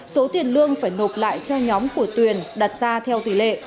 số tiền lương phải nộp lại cho nhóm của tuyền đặt ra theo tỷ lệ